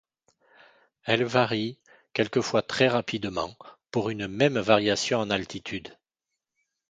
Elle varie, quelquefois très rapidement, pour une même variation en altitude.